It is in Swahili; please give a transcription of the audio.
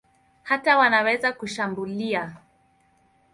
Hata wanaweza kushambulia.